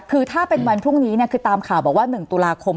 คือถ้าเป็นวันพรุ่งนี้คือตามข่าวบอกว่า๑ตุลาคม